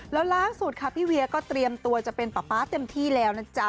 แล้วล่าสุดค่ะพี่เวียก็เตรียมตัวจะเป็นป๊าป๊าเต็มที่แล้วนะจ๊ะ